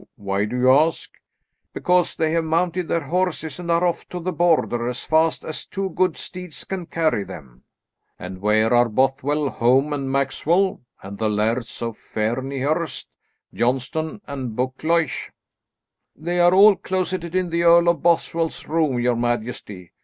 Why do you ask?" "Because they have mounted their horses and are off to the Border as fast as two good steeds can carry them." "And where are Bothwell, Home, and Maxwell, and the Lairds of Fairniherst, Johnston and Buccleuch?" "They are all closeted in the Earl of Bothwell's room, your majesty.